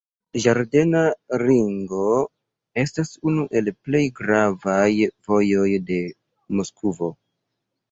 Ĝardena ringo estas unu el plej gravaj vojoj de Moskvo.